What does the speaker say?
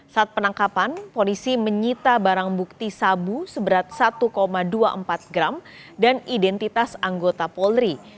saat penangkapan polisi menyita barang bukti sabu seberat satu dua puluh empat gram dan identitas anggota polri